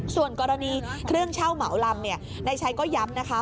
ส่วนกรณีเครื่องเช่าเหมาลำนายชัยก็ย้ำนะคะ